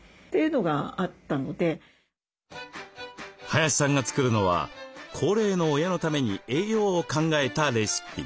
林さんが作るのは高齢の親のために栄養を考えたレシピ。